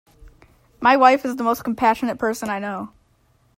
My wife is the most compassionate person I know.